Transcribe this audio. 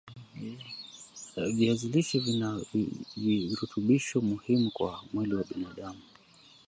viazi lishe vina virutubisho muhimu kwa mwili wa binadam